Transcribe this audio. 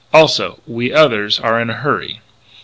Also, we others are in a hurry."